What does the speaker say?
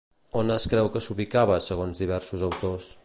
On es creu que s'ubicava segons diversos autors?